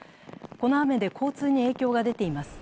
この雨で、交通に影響が出ています